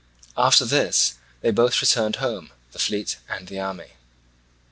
After this they both returned home, the fleet and the army.